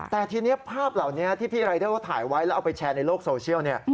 แต่ทีนี้ภาพเหล่านี้ที่พี่รายเดอร์เขาถ่ายไว้แล้วเอาไปแชร์ในโลกโซเชียลเนี่ย